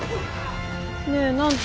ねえ何て？